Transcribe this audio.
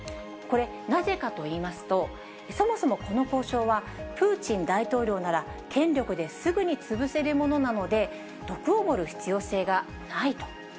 これ、なぜかといいますと、そもそも、この交渉は、プーチン大統領なら権力ですぐに潰せるものなので、毒を盛る必要性がないと。